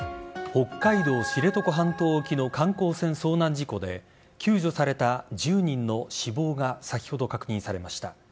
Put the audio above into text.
北海道知床半島沖の観光船遭難事故で救助された１０人の死亡が先ほど、確認されました。